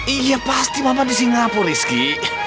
iya pasti mama di singapura rizky